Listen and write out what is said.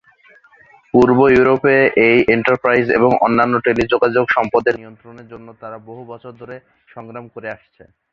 পূর্ব Europe এ এই enterprise এবং অন্যান্য টেলিযোগাযোগ সম্পদের নিয়ন্ত্রণের জন্য তারা বহু বছর ধরে সংগ্রাম করে আসছে।